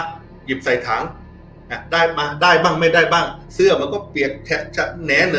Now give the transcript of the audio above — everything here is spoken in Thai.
หยิบใส่ถังอ่ะได้มาได้บ้างไม่ได้บ้างเสื้อมันก็เปียกแนนอ่ะ